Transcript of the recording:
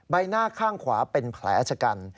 ใบหน้าข้างขวาเป็นแผลชะกัน